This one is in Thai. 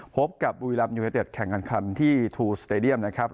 พบกับบุยรัมยูเนตเต็ปแข่งขันที่ถูห์สตาเดียมนะครับ